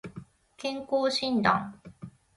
健康診断